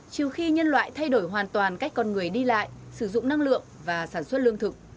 trừ khi nhân loại thay đổi hoàn toàn cách con người đi lại sử dụng năng lượng và sản xuất lương thực